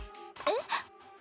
えっ？